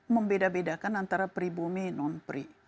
membeda bedakan antara pribumi dan non pribumi